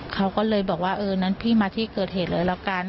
เขาก็เลยบอกว่าเอองั้นพี่มาที่เกิดเหตุเลยแล้วกัน